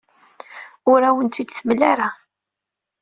Ur awen-tt-id-temla ara.